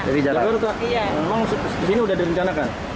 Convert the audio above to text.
emang kesini sudah direncanakan